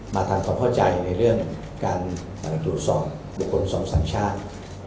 มาทำความเข้าใจในเรื่องการตรวจสอบบุคคลสองสามชาติ